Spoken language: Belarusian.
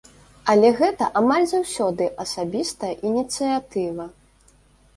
Але гэта амаль заўсёды асабістая ініцыятыва.